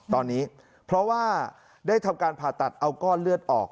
ตอนนี้เพราะว่าได้ทำการผ่าตัดเอาก้อนเลือดออก